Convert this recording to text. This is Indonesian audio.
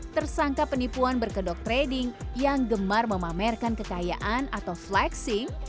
tersangka penipuan berkedok trading yang gemar memamerkan kekayaan atau flexing